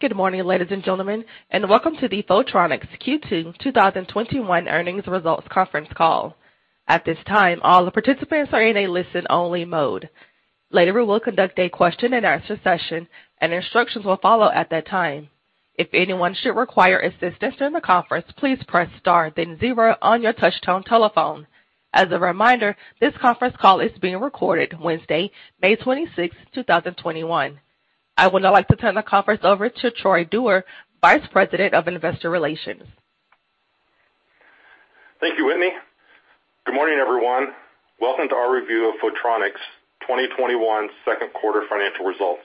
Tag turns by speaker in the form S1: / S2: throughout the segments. S1: Good morning, ladies and gentlemen, and welcome to the Photronics Q2 2021 earnings results conference call. At this time, all the participants are in a listen-only mode. Later, we will conduct a question-and-answer session, and instructions will follow at that time. If anyone should require assistance during the conference, please press star, then zero on your touch-tone telephone. As a reminder, this conference call is being recorded. Wednesday, May 26, 2021. I would now like to turn the conference over to Troy Dewar, Vice President of Investor Relations.
S2: Thank you, Whitney. Good morning, everyone. Welcome to our review of Photronics 2021 second quarter financial results.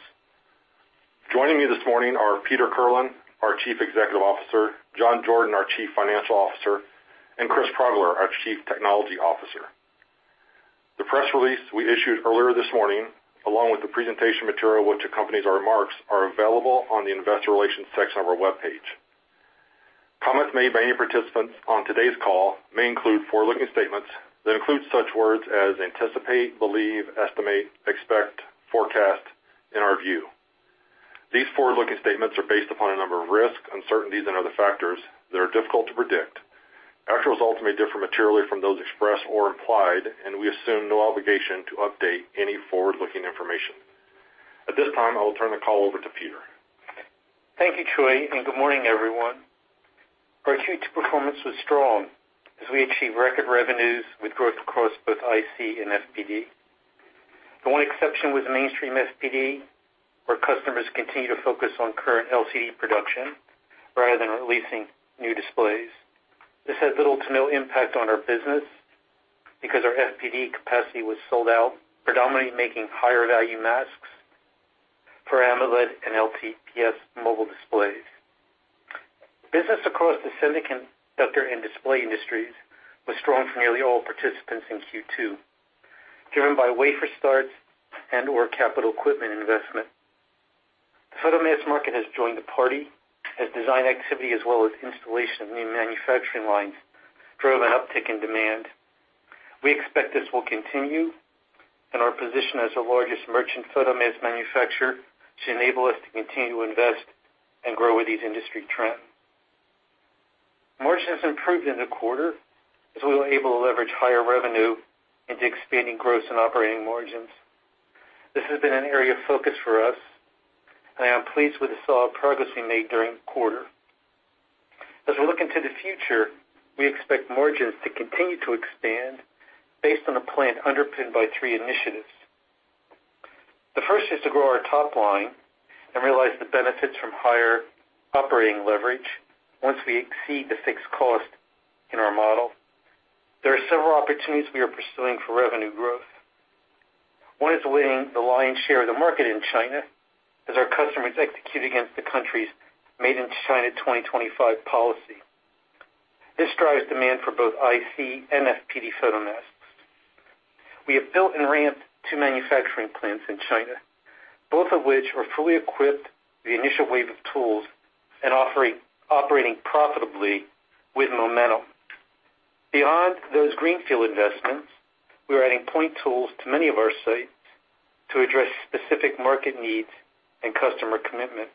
S2: Joining me this morning are Peter Kirlin, our Chief Executive Officer, John Jordan, our Chief Financial Officer, and Chris Progler, our Chief Technology Officer. The press release we issued earlier this morning, along with the presentation material which accompanies our remarks, is available on the Investor Relations section of our web page. Comments made by any participants on today's call may include forward-looking statements that include such words as anticipate, believe, estimate, expect, forecast, and our view. These forward-looking statements are based upon a number of risks, uncertainties, and other factors that are difficult to predict. Actual results may differ materially from those expressed or implied, and we assume no obligation to update any forward-looking information. At this time, I will turn the call over to Peter.
S3: Thank you, Troy, and good morning, everyone. Our Q2 performance was strong as we achieved record revenues with growth across both IC and FPD. The one exception was mainstream FPD, where customers continued to focus on current LCD production rather than releasing new displays. This had little to no impact on our business because our FPD capacity was sold out, predominantly making higher-value masks for AMOLED and LTPS mobile displays. Business across the semiconductor and display industries was strong for nearly all participants in Q2, driven by wafer starts and/or capital equipment investment. The photomask market has joined the party, as design activity as well as installation of new manufacturing lines drove an uptick in demand. We expect this will continue, and our position as the largest merchant photomask manufacturer should enable us to continue to invest and grow with these industry trends. Margins improved in the quarter as we were able to leverage higher revenue into expanding gross and operating margins. This has been an area of focus for us, and I am pleased with the solid progress we made during the quarter. As we look into the future, we expect margins to continue to expand based on a plan underpinned by three initiatives. The first is to grow our top line and realize the benefits from higher operating leverage once we exceed the fixed cost in our model. There are several opportunities we are pursuing for revenue growth. One is winning the lion's share of the market in China as our customers execute against the country's Made in China 2025 policy. This drives demand for both IC and FPD photomasks. We have built and ramped two manufacturing plants in China, both of which are fully equipped with the initial wave of tools and offering operating profitably with momentum. Beyond those greenfield investments, we are adding point tools to many of our sites to address specific market needs and customer commitments.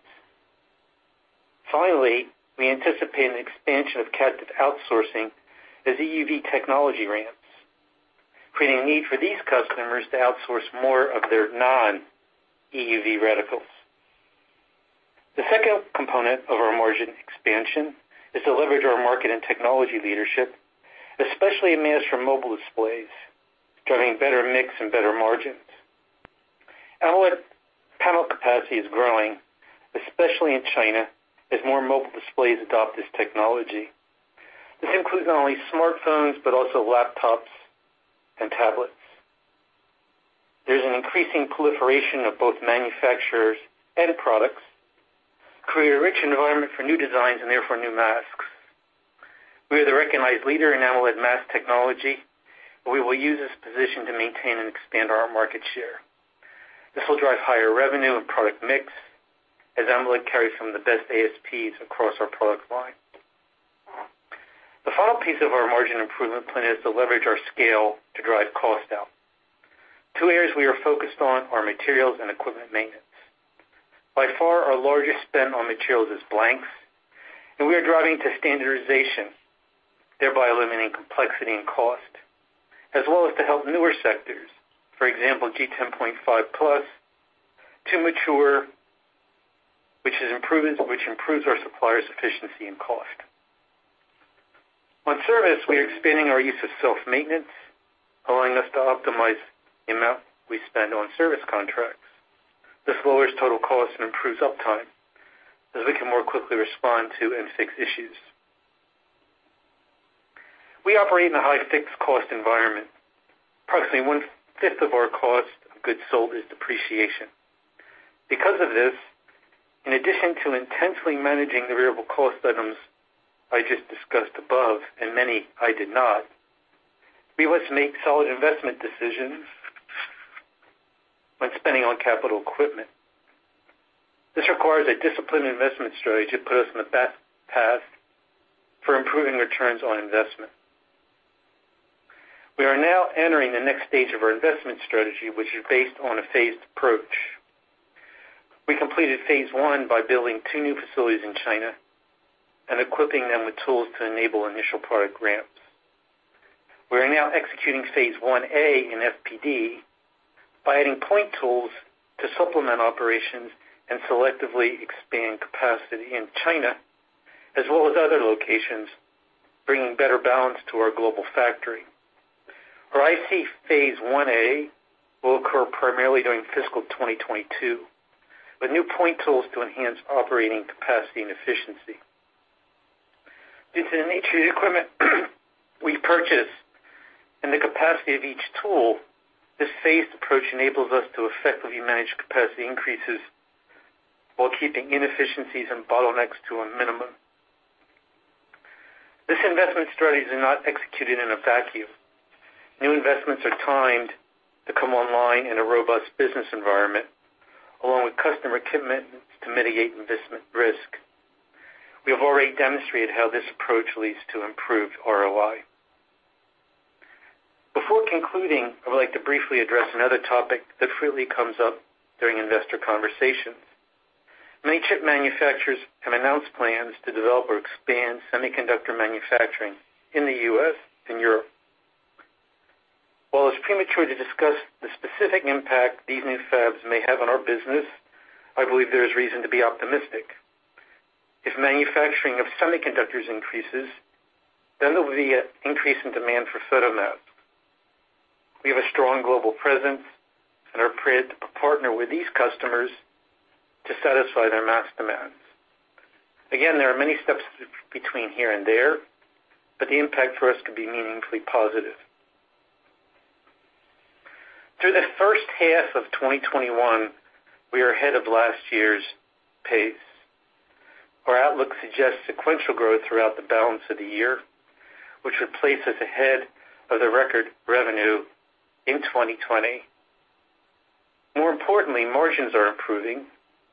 S3: Finally, we anticipate an expansion of captive outsourcing as EUV technology ramps, creating a need for these customers to outsource more of their non-EUV reticles. The second component of our margin expansion is to leverage our market and technology leadership, especially in management of mobile displays, driving better mix and better margins. AMOLED panel capacity is growing, especially in China, as more mobile displays adopt this technology. This includes not only smartphones but also laptops and tablets. There's an increasing proliferation of both manufacturers and products, creating a rich environment for new designs and therefore new masks. We are the recognized leader in AMOLED mask technology, and we will use this position to maintain and expand our market share. This will drive higher revenue and product mix, as AMOLED carries some of the best ASPs across our product line. The final piece of our margin improvement plan is to leverage our scale to drive cost out. Two areas we are focused on are materials and equipment maintenance. By far, our largest spend on materials is blanks, and we are driving to standardization, thereby eliminating complexity and cost, as well as to help newer sectors, for example, G10.5 Plus, to mature, which improves our supplier's efficiency and cost. On service, we are expanding our use of self-maintenance, allowing us to optimize the amount we spend on service contracts. This lowers total costs and improves uptime as we can more quickly respond to and fix issues. We operate in a high fixed cost environment. Approximately one-fifth of our cost of goods sold is depreciation. Because of this, in addition to intensely managing the variable cost items I just discussed above, and many I did not, we must make solid investment decisions when spending on capital equipment. This requires a disciplined investment strategy to put us on the path for improving returns on investment. We are now entering the next stage of our investment strategy, which is based on a phased approach. We completed phase one by building two new facilities in China and equipping them with tools to enable initial product ramps. We are now executing phase 1A in FPD by adding point tools to supplement operations and selectively expand capacity in China as well as other locations, bringing better balance to our global factory. Our IC phase 1A will occur primarily during fiscal 2022, with new point tools to enhance operating capacity and efficiency. Due to the nature of the equipment we purchase and the capacity of each tool, this phased approach enables us to effectively manage capacity increases while keeping inefficiencies and bottlenecks to a minimum. This investment strategy is not executed in a vacuum. New investments are timed to come online in a robust business environment, along with customer commitments to mitigate investment risk. We have already demonstrated how this approach leads to improved ROI. Before concluding, I would like to briefly address another topic that frequently comes up during investor conversations. Many chip manufacturers have announced plans to develop or expand semiconductor manufacturing in the U.S. and Europe. While it's premature to discuss the specific impact these new fabs may have on our business, I believe there is reason to be optimistic. If manufacturing of semiconductors increases, then there will be an increase in demand for photomasks. We have a strong global presence and are prepared to partner with these customers to satisfy their mask demands. Again, there are many steps between here and there, but the impact for us could be meaningfully positive. Through the first half of 2021, we are ahead of last year's pace. Our outlook suggests sequential growth throughout the balance of the year, which would place us ahead of the record revenue in 2020. More importantly, margins are improving,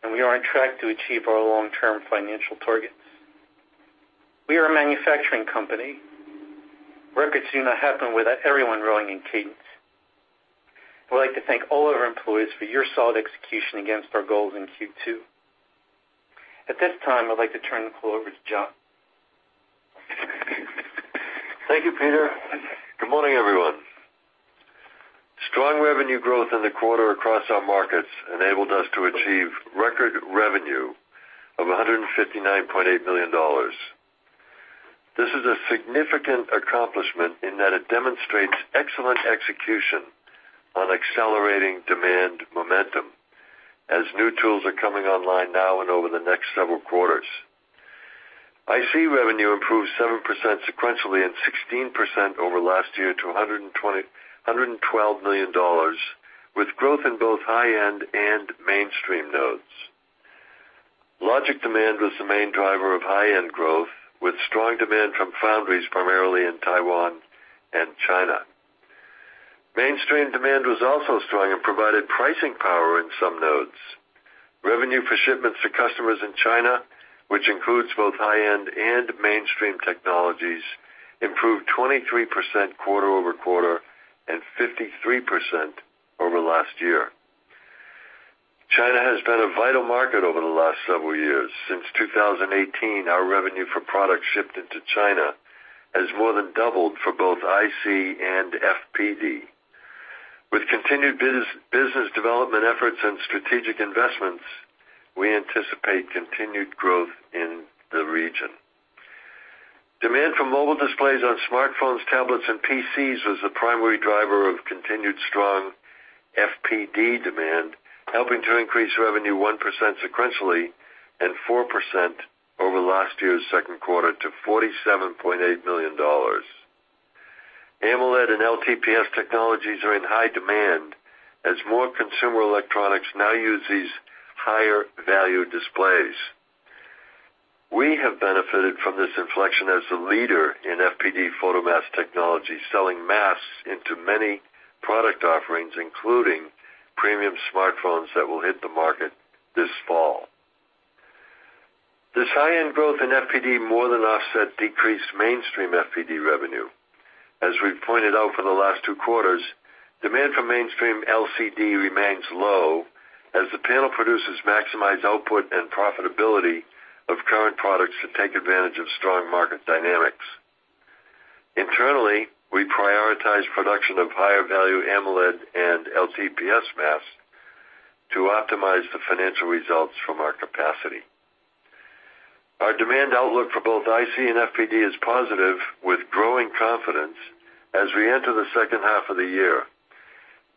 S3: and we are on track to achieve our long-term financial targets. We are a manufacturing company. Records do not happen without everyone growing in cadence. I would like to thank all of our employees for your solid execution against our goals in Q2. At this time, I'd like to turn the call over to John.
S4: Thank you, Peter. Good morning, everyone. Strong revenue growth in the quarter across our markets enabled us to achieve record revenue of $159.8 million. This is a significant accomplishment in that it demonstrates excellent execution on accelerating demand momentum, as new tools are coming online now and over the next several quarters. IC revenue improved 7% sequentially and 16% over last year to $112 million, with growth in both high-end and mainstream nodes. Logic demand was the main driver of high-end growth, with strong demand from foundries primarily in Taiwan and China. Mainstream demand was also strong and provided pricing power in some nodes. Revenue for shipments to customers in China, which includes both high-end and mainstream technologies, improved 23% quarter-over-quarter and 53% year-over-year. China has been a vital market over the last several years. Since 2018, our revenue for products shipped into China has more than doubled for both IC and FPD. With continued business development efforts and strategic investments, we anticipate continued growth in the region. Demand for mobile displays on smartphones, tablets, and PCs was the primary driver of continued strong FPD demand, helping to increase revenue 1% sequentially and 4% over last year's second quarter to $47.8 million. AMOLED and LTPS technologies are in high demand as more consumer electronics now use these higher-value displays. We have benefited from this inflection as the leader in FPD photomask technology, selling masks into many product offerings, including premium smartphones that will hit the market this fall. This high-end growth in FPD more than offsets decreased mainstream FPD revenue. As we've pointed out for the last two quarters, demand for mainstream LCD remains low as the panel producers maximize output and profitability of current products to take advantage of strong market dynamics. Internally, we prioritize production of higher-value AMOLED and LTPS masks to optimize the financial results from our capacity. Our demand outlook for both IC and FPD is positive, with growing confidence as we enter the second half of the year.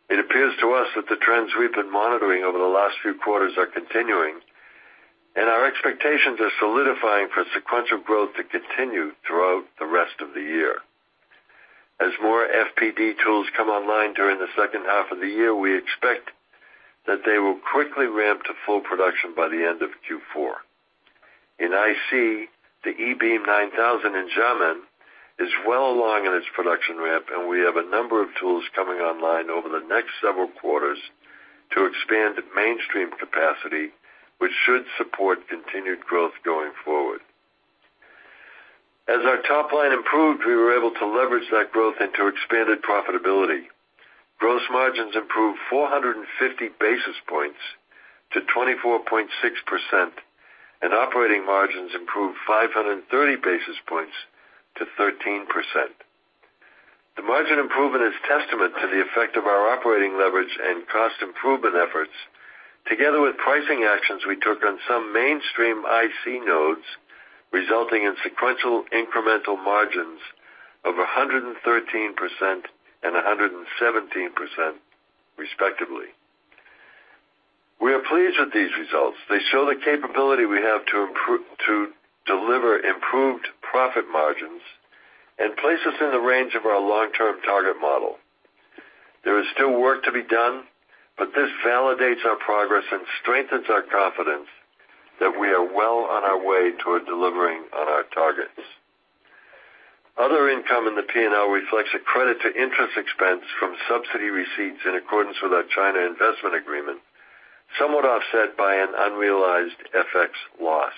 S4: It appears to us that the trends we've been monitoring over the last few quarters are continuing, and our expectations are solidifying for sequential growth to continue throughout the rest of the year. As more FPD tools come online during the second half of the year, we expect that they will quickly ramp to full production by the end of Q4. In IC, the EBM-9000 in Xiamen is well along in its production ramp, and we have a number of tools coming online over the next several quarters to expand mainstream capacity, which should support continued growth going forward. As our top line improved, we were able to leverage that growth into expanded profitability. Gross margins improved 450 basis points to 24.6%, and operating margins improved 530 basis points to 13%. The margin improvement is a testament to the effect of our operating leverage and cost improvement efforts, together with pricing actions we took on some mainstream IC nodes, resulting in sequential incremental margins of 113% and 117%, respectively. We are pleased with these results. They show the capability we have to deliver improved profit margins and place us in the range of our long-term target model. There is still work to be done, but this validates our progress and strengthens our confidence that we are well on our way toward delivering on our targets. Other income in the P&L reflects a credit to interest expense from subsidy receipts in accordance with our China investment agreement, somewhat offset by an unrealized FX loss.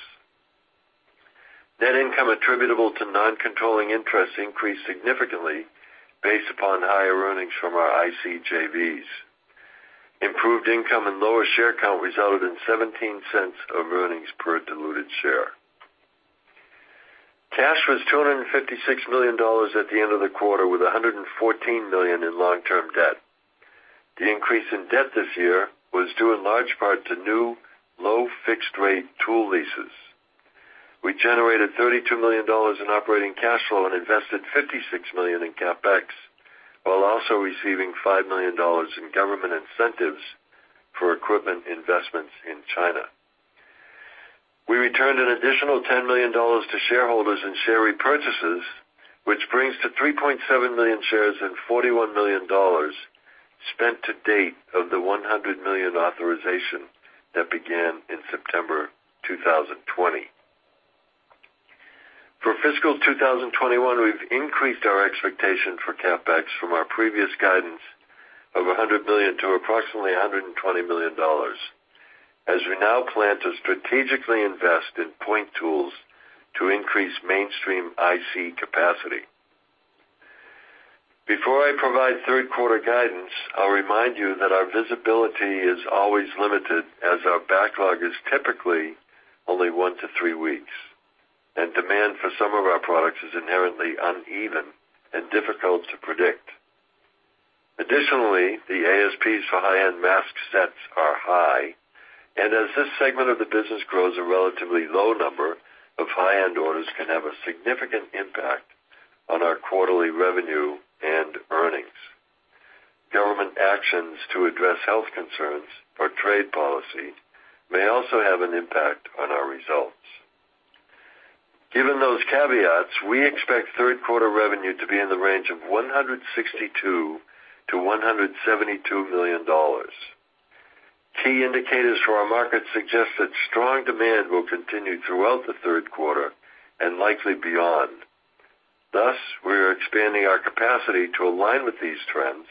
S4: Net income attributable to non-controlling interest increased significantly based upon higher earnings from our IC JVs. Improved income and lower share count resulted in $0.17 of earnings per diluted share. Cash was $256 million at the end of the quarter, with $114 million in long-term debt. The increase in debt this year was due in large part to new low-fixed-rate tool leases. We generated $32 million in operating cash flow and invested $56 million in CapEx, while also receiving $5 million in government incentives for equipment investments in China. We returned an additional $10 million to shareholders in share repurchases, which brings to 3.7 million shares and $41 million spent to date of the 100 million authorization that began in September 2020. For fiscal 2021, we've increased our expectation for CapEx from our previous guidance of $100 million to approximately $120 million, as we now plan to strategically invest in point tools to increase mainstream IC capacity. Before I provide third-quarter guidance, I'll remind you that our visibility is always limited, as our backlog is typically only one to three weeks, and demand for some of our products is inherently uneven and difficult to predict. Additionally, the ASPs for high-end mask sets are high, and as this segment of the business grows, a relatively low number of high-end orders can have a significant impact on our quarterly revenue and earnings. Government actions to address health concerns or trade policy may also have an impact on our results. Given those caveats, we expect third-quarter revenue to be in the range of $162 million-$172 million. Key indicators for our market suggest that strong demand will continue throughout the third quarter and likely beyond. Thus, we are expanding our capacity to align with these trends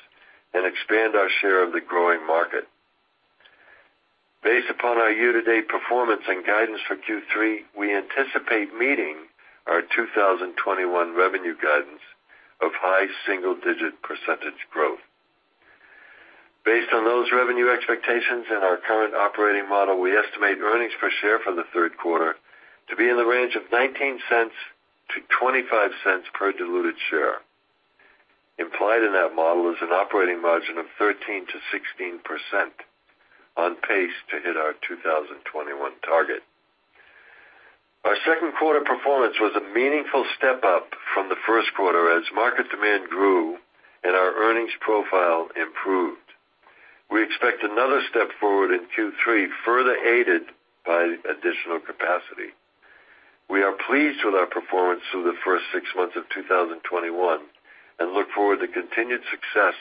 S4: and expand our share of the growing market. Based upon our year-to-date performance and guidance for Q3, we anticipate meeting our 2021 revenue guidance of high single-digit percentage growth. Based on those revenue expectations and our current operating model, we estimate earnings per share for the third quarter to be in the range of $0.19-$0.25 per diluted share. Implied in that model is an operating margin of 13%-16%, on pace to hit our 2021 target. Our second-quarter performance was a meaningful step up from the first quarter as market demand grew and our earnings profile improved. We expect another step forward in Q3, further aided by additional capacity. We are pleased with our performance through the first six months of 2021 and look forward to continued success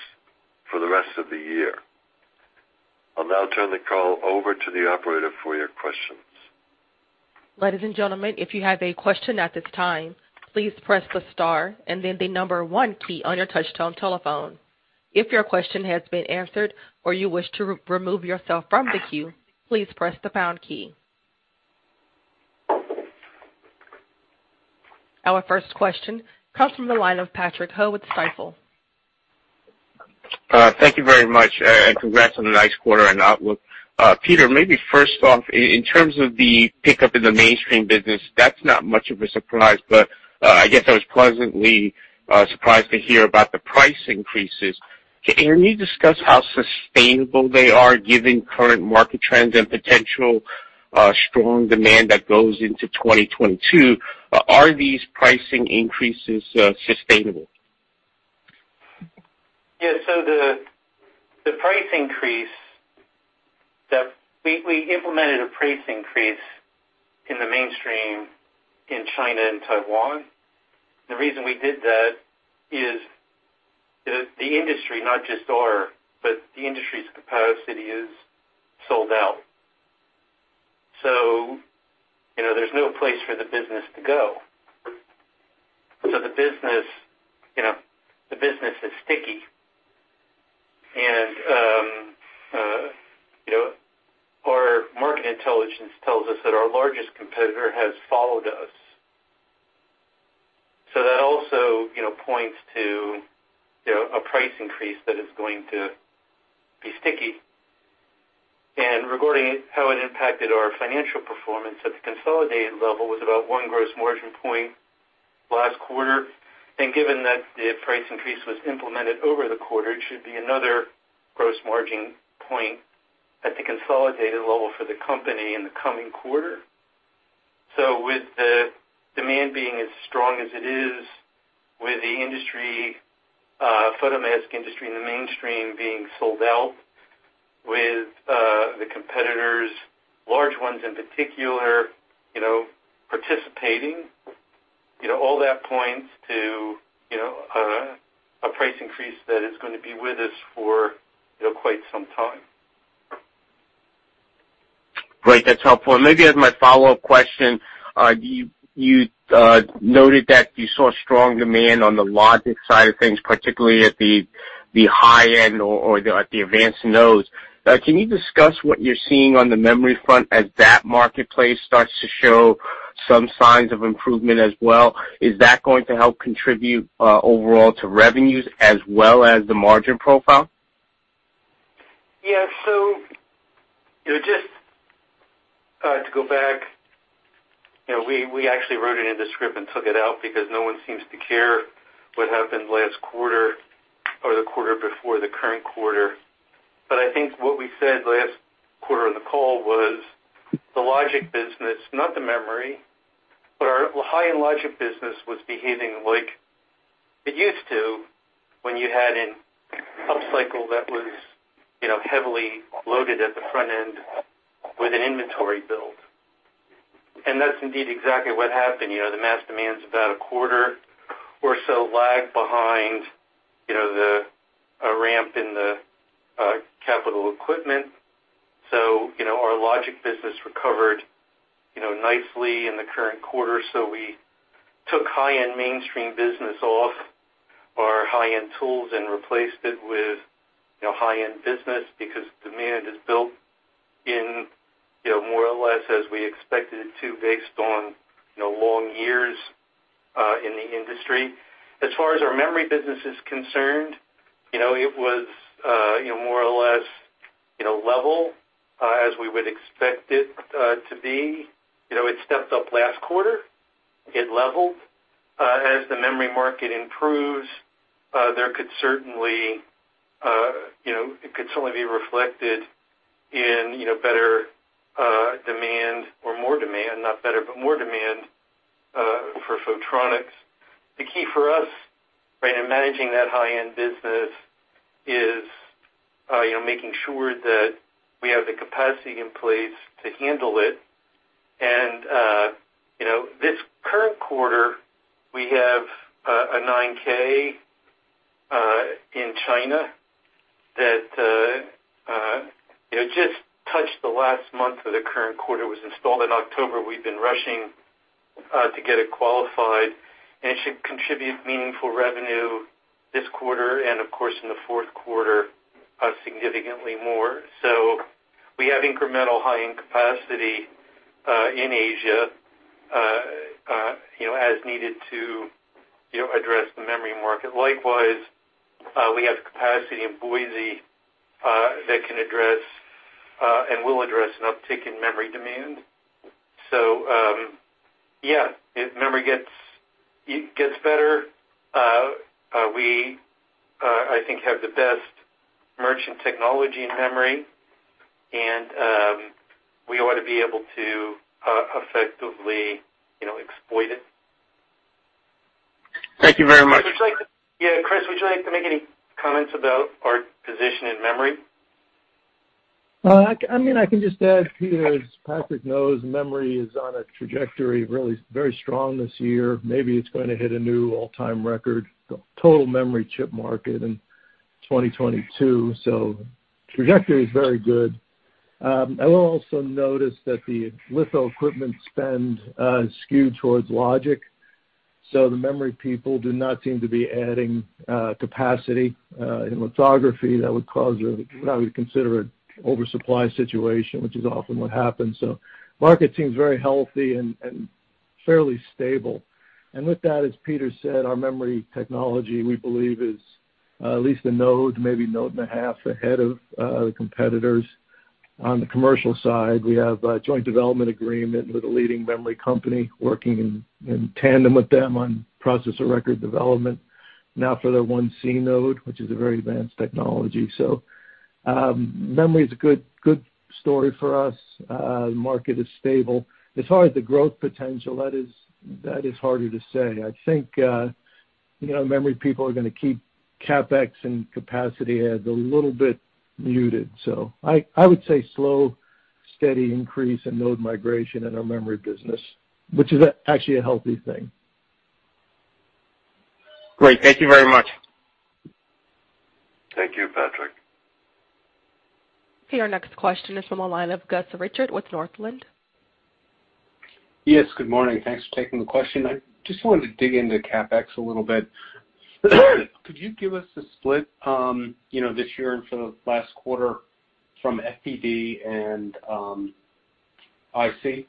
S4: for the rest of the year. I'll now turn the call over to the operator for your questions.
S1: Ladies and gentlemen, if you have a question at this time, please press the star and then the number one key on your touch-tone telephone. If your question has been answered or you wish to remove yourself from the queue, please press the pound key. Our first question comes from the line of Patrick Ho with Stifel.
S5: Thank you very much and congrats on the nice quarter and outlook. Peter, maybe first off, in terms of the pickup in the mainstream business, that's not much of a surprise, but I guess I was pleasantly surprised to hear about the price increases. Can you discuss how sustainable they are, given current market trends and potential strong demand that goes into 2022? Are these pricing increases sustainable?
S3: Yeah, so the price increase that we implemented, a price increase in the mainstream in China and Taiwan. The reason we did that is the industry, not just our, but the industry's capacity is sold out. So there's no place for the business to go. So the business is sticky. And our market intelligence tells us that our largest competitor has followed us. So that also points to a price increase that is going to be sticky. And regarding how it impacted our financial performance, at the consolidated level was about one gross margin point last quarter. And given that the price increase was implemented over the quarter, it should be another gross margin point at the consolidated level for the company in the coming quarter. With the demand being as strong as it is, with the industry, photomask industry in the mainstream being sold out, with the competitors, large ones in particular, participating, all that points to a price increase that is going to be with us for quite some time.
S5: Great. That's helpful. And maybe as my follow-up question, you noted that you saw strong demand on the logic side of things, particularly at the high-end or at the advanced nodes. Can you discuss what you're seeing on the memory front as that marketplace starts to show some signs of improvement as well? Is that going to help contribute overall to revenues as well as the margin profile?
S3: Yeah. So just to go back, we actually wrote it in the script and took it out because no one seems to care what happened last quarter or the quarter before the current quarter. But I think what we said last quarter on the call was the logic business, not the memory, but our high-end logic business was behaving like it used to when you had an upcycle that was heavily loaded at the front end with an inventory build. And that's indeed exactly what happened. The mask demand's about a quarter or so lagged behind the ramp in the capital equipment. So our logic business recovered nicely in the current quarter. So we took high-end mainstream business off our high-end tools and replaced it with high-end business because demand is built in more or less as we expected it to based on long years in the industry. As far as our memory business is concerned, it was more or less level as we would expect it to be. It stepped up last quarter. It leveled. As the memory market improves, there could certainly be reflected in better demand or more demand, not better, but more demand for Photronics. The key for us in managing that high-end business is making sure that we have the capacity in place to handle it. This current quarter, we have a 9K in China that just touched the last month of the current quarter. It was installed in October. We've been rushing to get it qualified. It should contribute meaningful revenue this quarter and, of course, in the fourth quarter, significantly more. We have incremental high-end capacity in Asia as needed to address the memory market. Likewise, we have capacity in Boise that can address and will address an uptick in memory demand. So yeah, memory gets better. We, I think, have the best merchant technology in memory, and we ought to be able to effectively exploit it.
S5: Thank you very much.
S3: Yeah, Chris, would you like to make any comments about our position in memory?I mean, I can just add, Peter, as Patrick knows, memory is on a trajectory really very strong this year. Maybe it's going to hit a new all-time record, total memory chip market in 2022. So trajectory is very good. I will also notice that the litho-equipment spend is skewed towards logic. So the memory people do not seem to be adding capacity in lithography that would cause what I would consider an oversupply situation, which is often what happens. So the market seems very healthy and fairly stable. And with that, as Peter said, our memory technology, we believe, is at least a node, maybe node and a half ahead of the competitors. On the commercial side, we have a joint development agreement with a leading memory company working in tandem with them on process of record So memory is a good story for us. The market is stable. As far as the growth potential, that is harder to say. I think memory people are going to keep CapEx and capacity as a little bit muted. So I would say slow, steady increase in node migration in our memory business, which is actually a healthy thing.
S5: Great. Thank you very much.
S4: Thank you, Patrick.
S1: Peter, our next question is from the line of Gus Richard with Northland.
S6: Yes, good morning. Thanks for taking the question. I just wanted to dig into CapEx a little bit. Could you give us a split this year and for the last quarter from FPD and IC?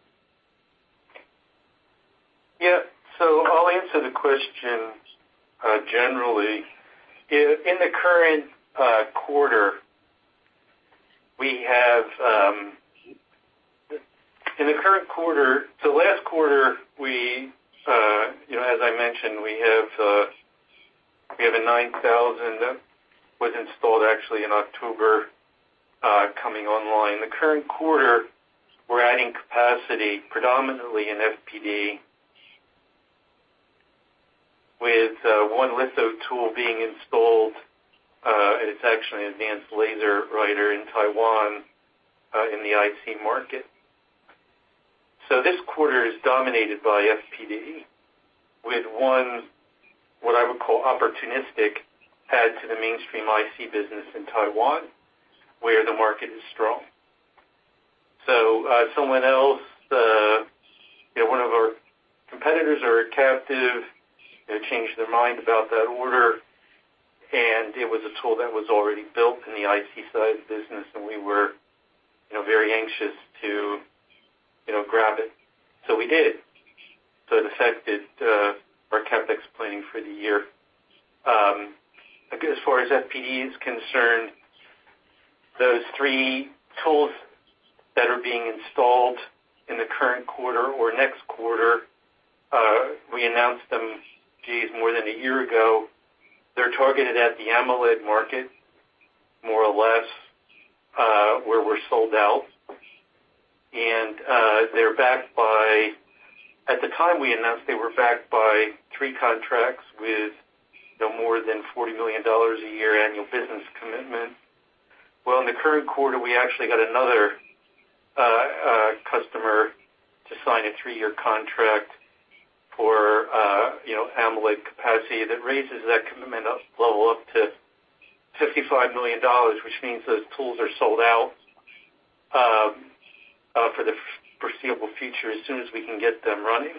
S3: Yeah. So I'll answer the question generally. In the current quarter, so last quarter, as I mentioned, we have an EBM-9000 that was installed actually in October coming online. The current quarter, we're adding capacity predominantly in FPD, with one litho-tool being installed. It's actually an advanced laser writer in Taiwan in the IC market. So this quarter is dominated by FPD with one, what I would call, opportunistic add to the mainstream IC business in Taiwan where the market is strong. So someone else, one of our competitors or a captive changed their mind about that order, and it was a tool that was already built in the IC side of the business, and we were very anxious to grab it. So we did. So it affected our CapEx planning for the year. As far as FPD is concerned, those three tools that are being installed in the current quarter or next quarter, we announced them, geez, more than a year ago. They're targeted at the AMOLED market, more or less, where we're sold out. And they're backed by, at the time we announced, they were backed by three contracts with no more than $40 million a year annual business commitment. Well, in the current quarter, we actually got another customer to sign a three-year contract for AMOLED capacity that raises that commitment level up to $55 million, which means those tools are sold out for the foreseeable future as soon as we can get them running.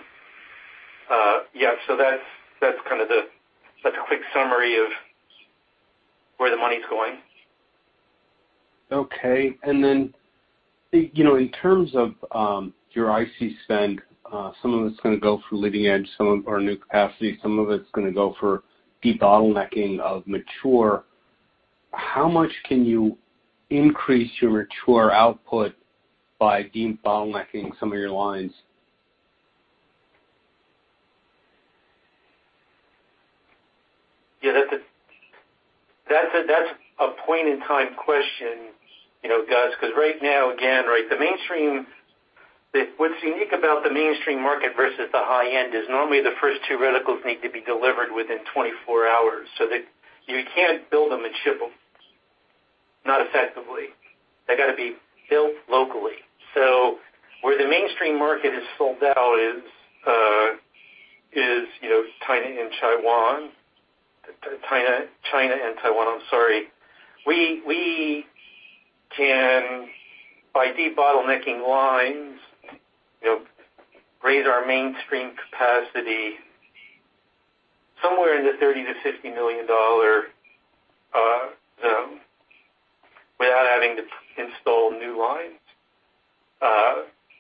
S3: Yeah. So that's kind of the quick summary of where the money's going.
S6: Okay. And then in terms of your IC spend, some of it's going to go for leading-edge, some of our new capacity, some of it's going to go for de-bottlenecking of mature. How much can you increase your mature output by de-bottlenecking some of your lines?
S3: Yeah, that's a point-in-time question, Gus, because right now, again, right, the mainstream, what's unique about the mainstream market versus the high-end is normally the first two verticals need to be delivered within 24 hours. So you can't build them and ship them not effectively. They got to be built locally. So where the mainstream market is sold out is China and Taiwan. China and Taiwan, I'm sorry. We can, by de-bottlenecking lines, raise our mainstream capacity somewhere in the $30 million-$50 million zone without having to install new lines.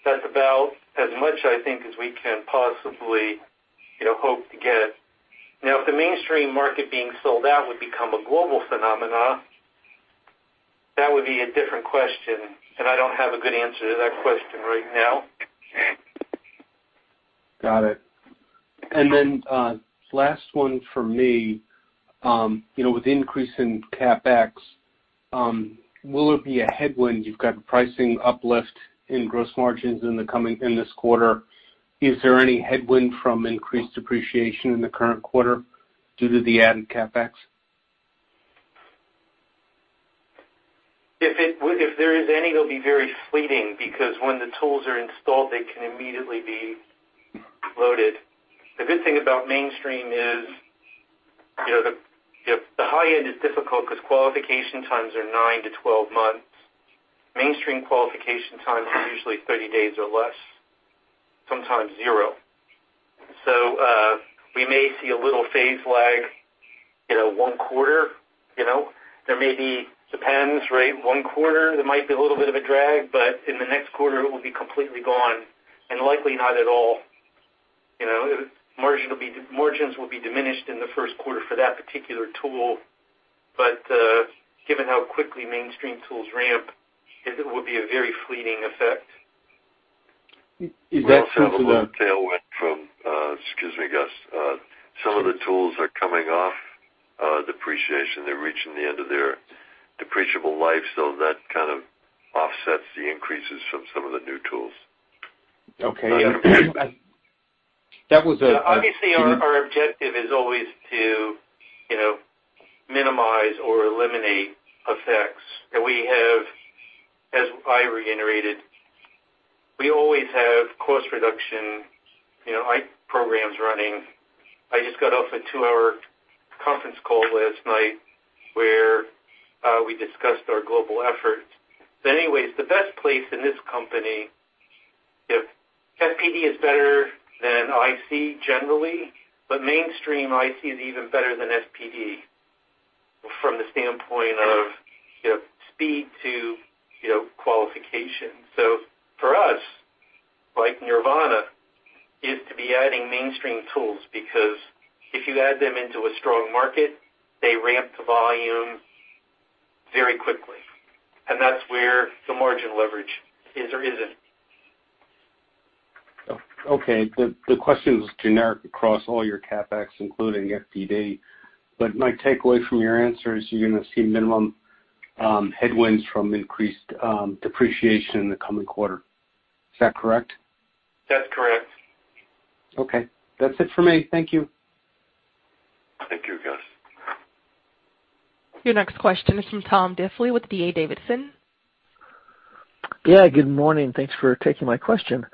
S3: That's about as much, I think, as we can possibly hope to get. Now, if the mainstream market being sold out would become a global phenomenon, that would be a different question. And I don't have a good answer to that question right now.
S6: Got it. And then last one for me, with the increase in CapEx, will there be a headwind? You've got pricing uplift in gross margins in this quarter. Is there any headwind from increased depreciation in the current quarter due to the added CapEx?
S3: If there is any, it'll be very fleeting because when the tools are installed, they can immediately be loaded. The good thing about mainstream is the high-end is difficult because qualification times are 9-12 months. Mainstream qualification time is usually 30 days or less, sometimes zero. So we may see a little phase lag one quarter. There may be. Depends, right? One quarter, there might be a little bit of a drag, but in the next quarter, it will be completely gone and likely not at all. Margins will be diminished in the first quarter for that particular tool. But given how quickly mainstream tools ramp, it will be a very fleeting effect.
S6: Is that something that?
S4: Excuse me, Gus. Some of the tools are coming off depreciation. They're reaching the end of their depreciable life. So that kind of offsets the increases from some of the new tools.
S3: Obviously, our objective is always to minimize or eliminate effects. As I reiterated, we always have cost reduction programs running. I just got off a two-hour conference call last night where we discussed our global efforts. Anyways, the best place in this company, FPD is better than IC generally, but mainstream IC is even better than FPD from the standpoint of speed to qualification. So for us, like nirvana, is to be adding mainstream tools because if you add them into a strong market, they ramp to volume very quickly. And that's where the margin leverage is or isn't.
S6: Okay. The question is generic across all your CapEx, including FPD. But my takeaway from your answer is you're going to see minimum headwinds from increased depreciation in the coming quarter. Is that correct?
S3: That's correct.
S6: Okay. That's it for me. Thank you.
S4: Thank you, Gus.
S1: Your next question is from Tom Diffely with D.A. Davidson.
S7: Yeah, good morning. Thanks for taking my question.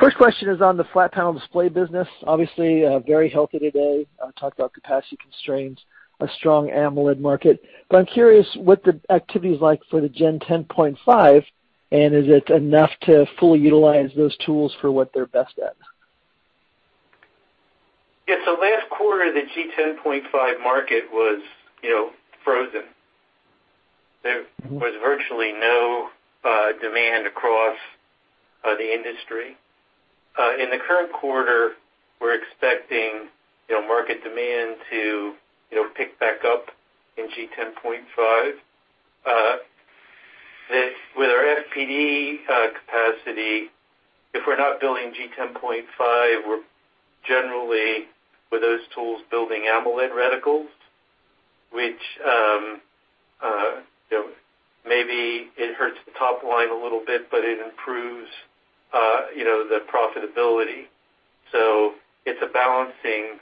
S7: First question is on the flat panel display business. Obviously, very healthy today. Talked about capacity constraints, a strong AMOLED market. But I'm curious what the activity is like for the G10.5, and is it enough to fully utilize those tools for what they're best at?
S3: Yeah. So last quarter, the G10.5 market was frozen. There was virtually no demand across the industry. In the current quarter, we're expecting market demand to pick back up in G10.5. With our FPD capacity, if we're not building G10.5, we're generally, with those tools, building AMOLED reticles, which maybe it hurts the top line a little bit, but it improves the profitability. So it's a balancing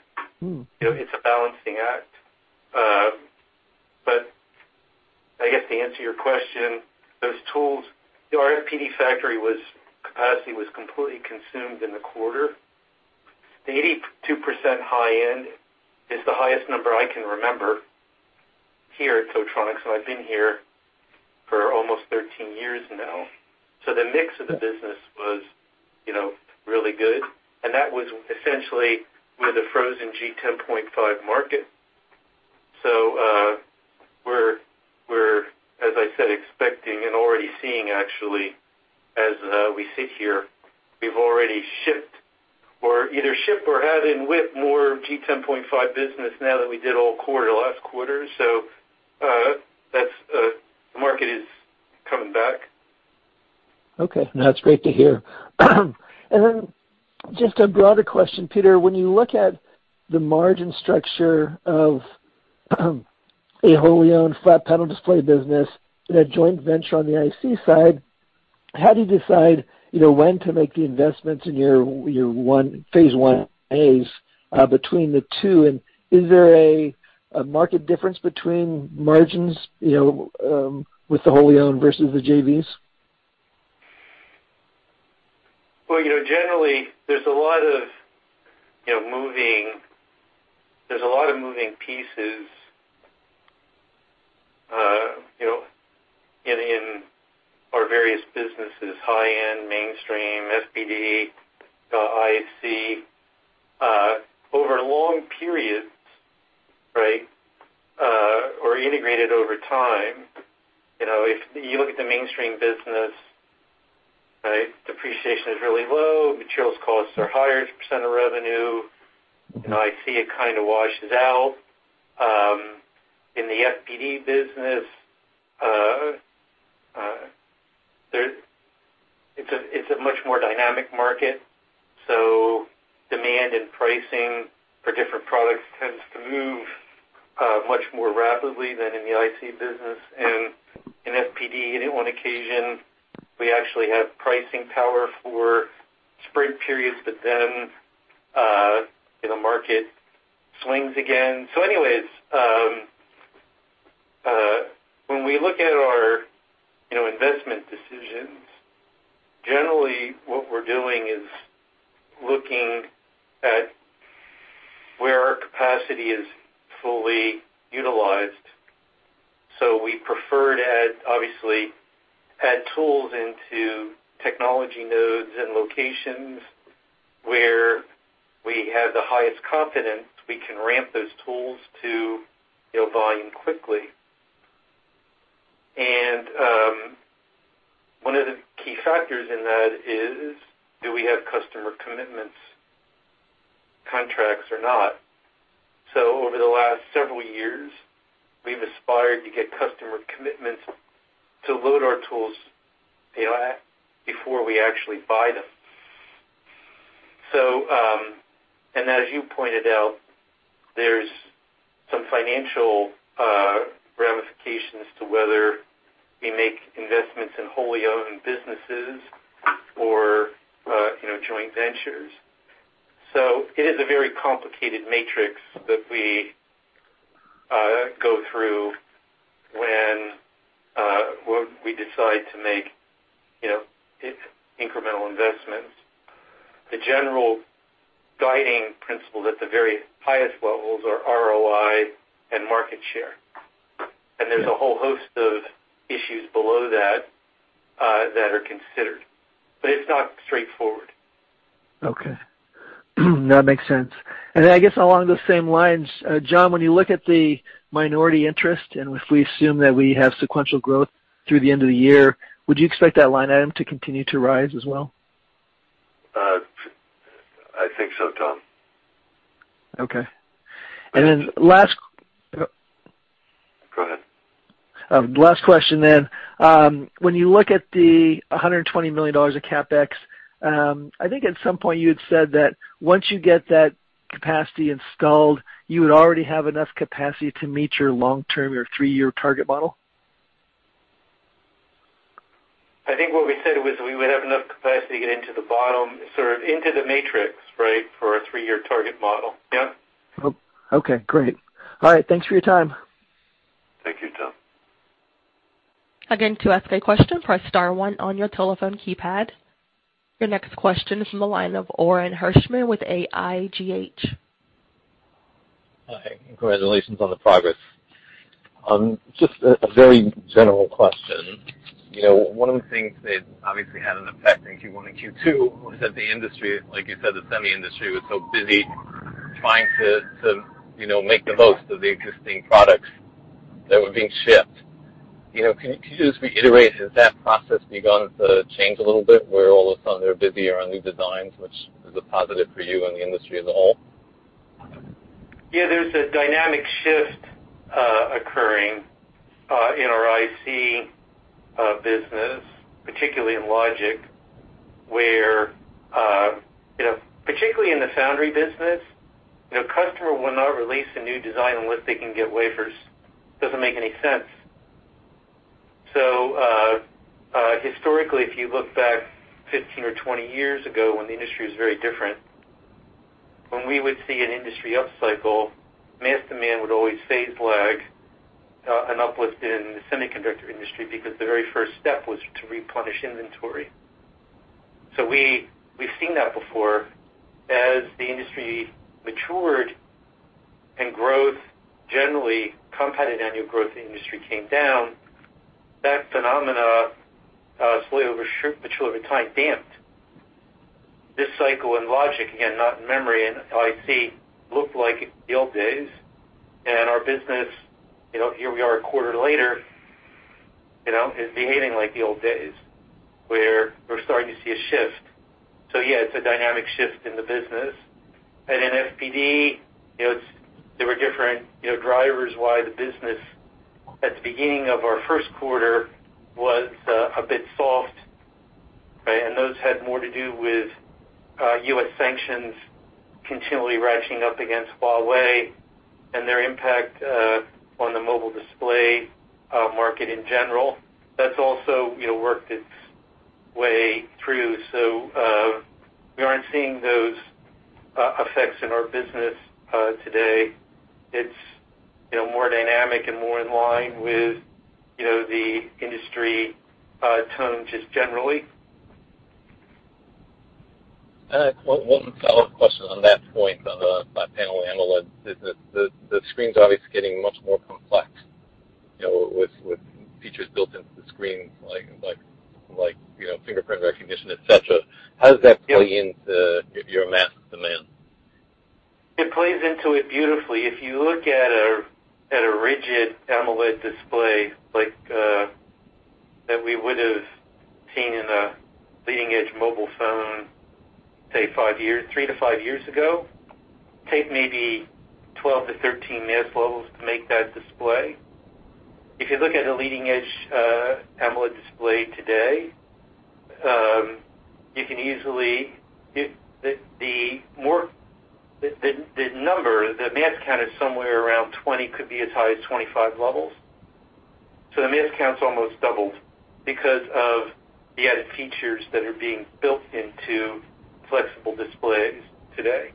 S3: act. But I guess to answer your question, those tools, our FPD factory capacity was completely consumed in the quarter. The 82% high-end is the highest number I can remember here at Photronics, and I've been here for almost 13 years now. So the mix of the business was really good. And that was essentially with a frozen G10.5 market. So we're, as I said, expecting and already seeing, actually, as we sit here, we've already shipped or either shipped or had in WIP more G10.5 business now than we did all quarter, last quarter. So the market is coming back.
S7: Okay. That's great to hear. And then just a broader question, Peter. When you look at the margin structure of a wholly owned flat panel display business in a joint venture on the IC side, how do you decide when to make the investments in your Phase 1As between the two? And is there a market difference between margins with the wholly owned versus the JVs?
S3: Well, generally, there's a lot of moving pieces in our various businesses, high-end, mainstream, FPD, IC. Over long periods, right, or integrated over time, if you look at the mainstream business, right, depreciation is really low. Materials costs are higher percent of revenue. IC, it kind of washes out. In the FPD business, it's a much more dynamic market. So demand and pricing for different products tends to move much more rapidly than in the IC business. And in FPD, on occasion, we actually have pricing power for sprint periods, but then the market swings again. So anyways, when we look at our investment decisions, generally, what we're doing is looking at where our capacity is fully utilized. So we prefer to, obviously, add tools into technology nodes and locations where we have the highest confidence we can ramp those tools to volume quickly. One of the key factors in that is, do we have customer commitments, contracts, or not? Over the last several years, we've aspired to get customer commitments to load our tools before we actually buy them. As you pointed out, there's some financial ramifications to whether we make investments in wholly owned businesses or joint ventures. It is a very complicated matrix that we go through when we decide to make incremental investments. The general guiding principles at the very highest levels are ROI and market share. There's a whole host of issues below that that are considered. It's not straightforward.
S7: Okay. That makes sense. And I guess along the same lines, John, when you look at the minority interest, and if we assume that we have sequential growth through the end of the year, would you expect that line item to continue to rise as well?
S4: I think so, Tom.
S7: Okay. And then last.
S4: Go ahead.
S7: Last question then. When you look at the $120 million of CapEx, I think at some point you had said that once you get that capacity installed, you would already have enough capacity to meet your long-term or three-year target model?
S4: I think what we said was we would have enough capacity to get into the bottom, sort of into the matrix, right, for our three-year target model. Yeah.
S7: Okay. Great. All right. Thanks for your time.
S4: Thank you, Tom.
S1: Again, to ask a question, press star one on your telephone keypad. Your next question is from the line of Orin Hirschman with AIGH.
S8: Hi. Congratulations on the progress. Just a very general question. One of the things that obviously had an effect in Q1 and Q2 was that the industry, like you said, the semi industry was so busy trying to make the most of the existing products that were being shipped. Can you just reiterate, has that process begun to change a little bit where all of a sudden they're busy around new designs, which is a positive for you and the industry as a whole?
S3: Yeah. There's a dynamic shift occurring in our IC business, particularly in logic, where particularly in the foundry business, customer will not release a new design unless they can get wafers. Doesn't make any sense. So historically, if you look back 15 or 20 years ago when the industry was very different, when we would see an industry upcycle, mask demand would always phase lag an uplift in the semiconductor industry because the very first step was to replenish inventory. So we've seen that before. As the industry matured and growth, generally compounded annual growth in the industry came down, that phenomenon slowly matured over time, damped. This cycle in logic, again, not in memory and IC, looked like in the old days. And our business, here we are a quarter later, is behaving like the old days where we're starting to see a shift. So yeah, it's a dynamic shift in the business. And in FPD, there were different drivers why the business at the beginning of our first quarter was a bit soft, right? And those had more to do with U.S. sanctions continually ratcheting up against Huawei and their impact on the mobile display market in general. That's also worked its way through. So we aren't seeing those effects in our business today. It's more dynamic and more in line with the industry tone just generally.
S8: One follow-up question on that point of the flat panel AMOLED, the screen's obviously getting much more complex with features built into the screens like fingerprint recognition, etc. How does that play into your mask demand?
S3: It plays into it beautifully. If you look at a rigid AMOLED display like that we would have seen in a leading-edge mobile phone, say, 3-5 years ago, take maybe 12-13 mask levels to make that display. If you look at a leading-edge AMOLED display today, you can easily the number, the mask count is somewhere around 20, could be as high as 25 levels. So the mask count's almost doubled because of the added features that are being built into flexible displays today.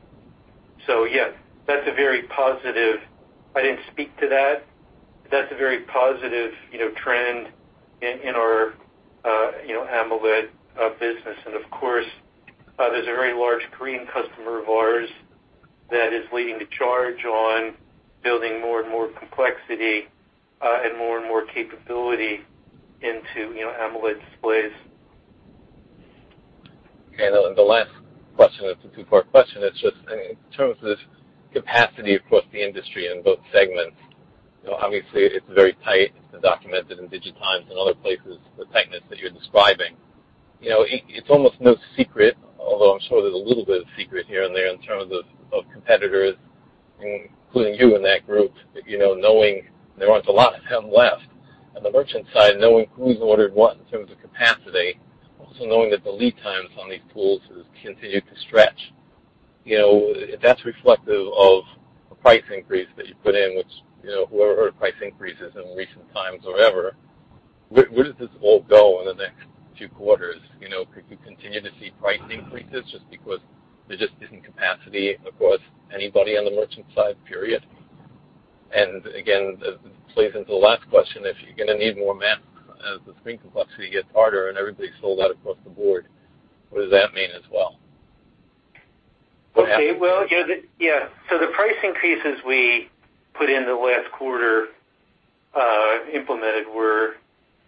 S3: So yeah, that's a very positive I didn't speak to that. That's a very positive trend in our AMOLED business. And of course, there's a very large Korean customer of ours that is leading the charge on building more and more complexity and more and more capability into AMOLED displays.
S8: And the last question, the two-part question, it's just in terms of capacity across the industry in both segments, obviously it's very tight. It's been documented in Digitimes and other places, the tightness that you're describing. It's almost no secret, although I'm sure there's a little bit of secret here and there in terms of competitors, including you in that group, knowing there aren't a lot of them left. On the merchant side, knowing who's ordered what in terms of capacity, also knowing that the lead times on these tools continue to stretch. That's reflective of a price increase that you put in, which whoever heard price increases in recent times or whatever, where does this all go in the next few quarters? Could you continue to see price increases just because there just isn't capacity across anybody on the merchant side, period? Again, it plays into the last question. If you're going to need more masks as the screen complexity gets harder and everybody's sold out across the board, what does that mean as well?
S3: Okay. Well, yeah. So the price increases we put in the last quarter implemented were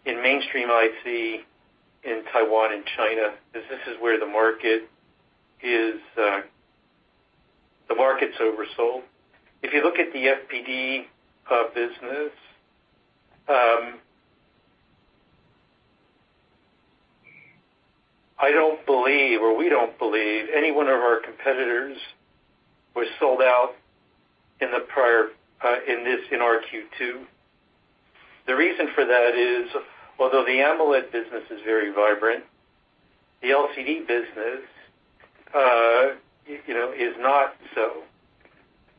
S3: in mainstream IC in Taiwan and China. This is where the market is, the market's oversold. If you look at the FPD business, I don't believe, or we don't believe, any one of our competitors was sold out in this, in our Q2. The reason for that is, although the AMOLED business is very vibrant, the LCD business is not so.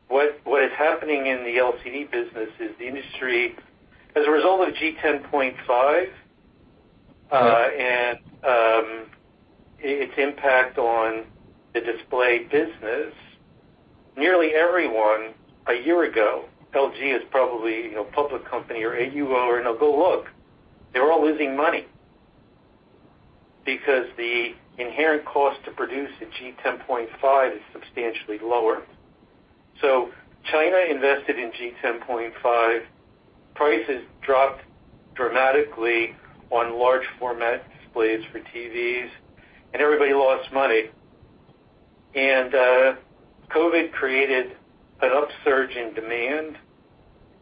S3: What is happening in the LCD business is the industry, as a result of G10.5 and its impact on the display business, nearly everyone a year ago, LG is probably a public company or AUO, and they'll go look. They're all losing money because the inherent cost to produce a G10.5 is substantially lower. So China invested in G10.5. Prices dropped dramatically on large format displays for TVs, and everybody lost money. And COVID created an upsurge in demand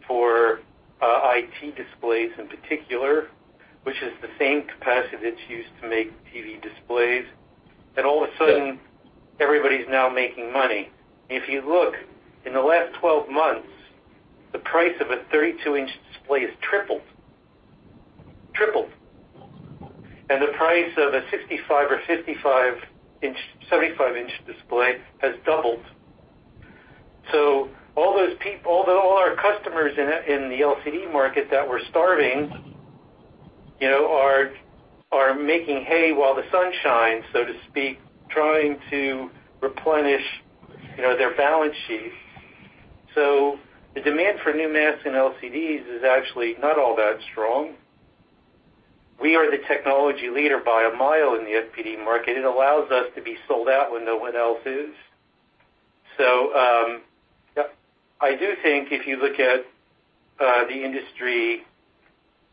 S3: for IT displays in particular, which is the same capacity that's used to make TV displays. All of a sudden, everybody's now making money. If you look, in the last 12 months, the price of a 32-inch display has tripled. Tripled. And the price of a 65- or 75-inch display has doubled. So all those people, all our customers in the LCD market that were starving are making hay while the sun shines, so to speak, trying to replenish their balance sheets. So the demand for new masks in LCDs is actually not all that strong. We are the technology leader by a mile in the FPD market. It allows us to be sold out when no one else is. So I do think if you look at the industry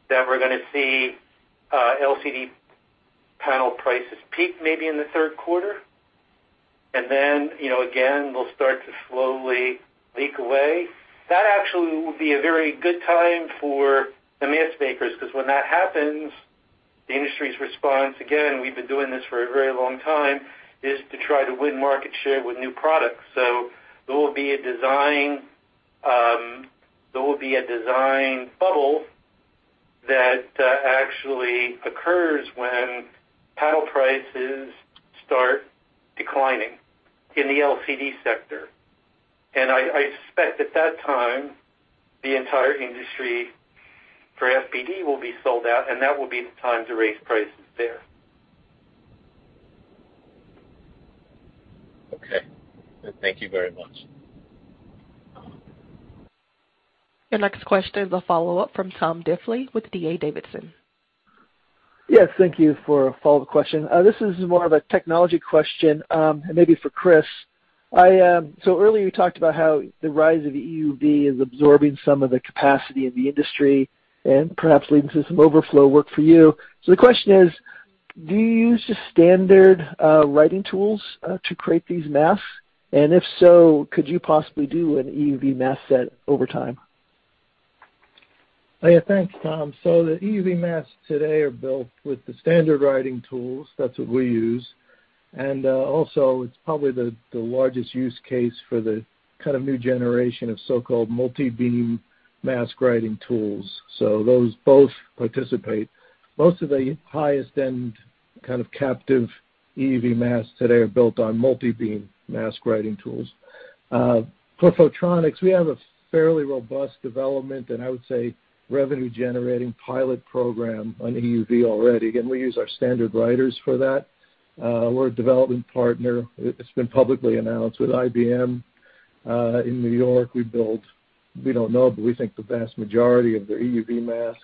S3: that we're going to see LCD panel prices peak maybe in the third quarter, and then again, they'll start to slowly leak away. That actually will be a very good time for the mask makers because when that happens, the industry's response, again, we've been doing this for a very long time, is to try to win market share with new products. So there will be a design bubble that actually occurs when panel prices start declining in the LCD sector. And I suspect at that time, the entire industry for FPD will be sold out, and that will be the time to raise prices there.
S8: Okay. Thank you very much.
S1: Your next question is a follow-up from Tom Diffely with D.A. Davidson.
S7: Yes. Thank you for a follow-up question. This is more of a technology question and maybe for Chris. So earlier you talked about how the rise of EUV is absorbing some of the capacity in the industry and perhaps leading to some overflow work for you. So the question is, do you use just standard writing tools to create these masks? And if so, could you possibly do an EUV mask set over time?
S9: Yeah. Thanks, Tom. So the EUV masks today are built with the standard writing tools. That's what we use. And also, it's probably the largest use case for the kind of new generation of so-called multi-beam mask writing tools. So those both participate. Most of the highest-end kind of captive EUV masks today are built on multi-beam mask writing tools. For Photronics, we have a fairly robust development and I would say revenue-generating pilot program on EUV already. And we use our standard writers for that. We're a development partner. It's been publicly announced with IBM in New York. We build, we don't know, but we think the vast majority of their EUV masks.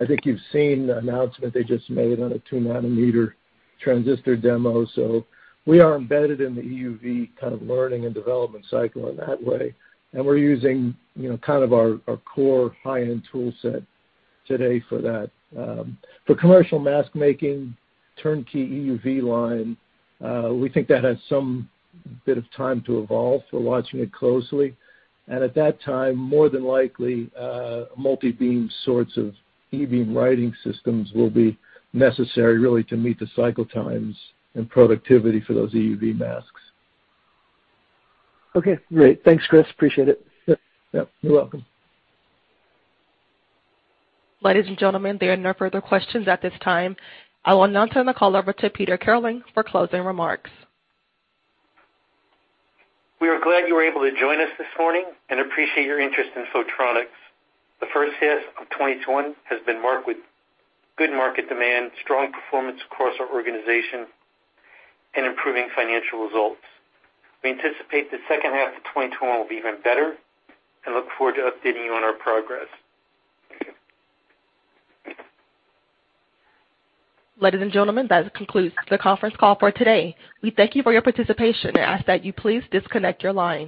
S9: I think you've seen the announcement they just made on a 2-nanometer transistor demo. So we are embedded in the EUV kind of learning and development cycle in that way. And we're using kind of our core high-end toolset today for that. For commercial mask making, turnkey EUV line, we think that has some bit of time to evolve. We're watching it closely. And at that time, more than likely, multi-beam sorts of E-beam writing systems will be necessary really to meet the cycle times and productivity for those EUV masks.
S7: Okay. Great. Thanks, Chris. Appreciate it.
S9: Yeah. You're welcome.
S1: Ladies and gentlemen, there are no further questions at this time. I will now turn the call over to Peter Kirlin for closing remarks.
S3: We are glad you were able to join us this morning and appreciate your interest in Photronics. The first half of 2021 has been marked with good market demand, strong performance across our organization, and improving financial results. We anticipate the second half of 2021 will be even better and look forward to updating you on our progress.
S1: Ladies and gentlemen, that concludes the conference call for today. We thank you for your participation and ask that you please disconnect your line.